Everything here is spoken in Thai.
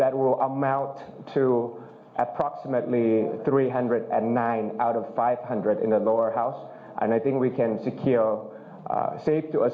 และเราก็ต้องเริ่มเรื่องเจ้าอีกวันนึง